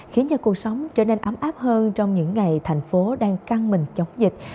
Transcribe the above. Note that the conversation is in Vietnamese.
khiến cho cuộc sống trở nên ấm áp hơn trong những ngày thành phố đang căng mình chống dịch